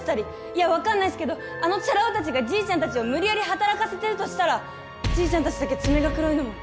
いやわかんないっすけどあのチャラ男たちがじいちゃんたちを無理やり働かせてるとしたらじいちゃんたちだけ爪が黒いのも！